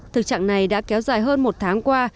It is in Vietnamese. thực trạng này đã kéo dài hơn một tháng qua